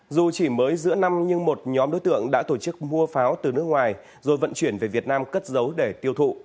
dù chỉ mới giữa năm nhưng một nhóm đối tượng đã tổ chức mua pháo từ nước ngoài rồi vận chuyển về việt nam cất giấu để tiêu thụ